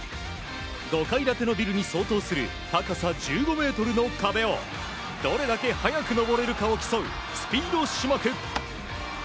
５階建てのビルに相当する高さ１５ｍの壁をどれだけ速く登れるかを競うスピード種目。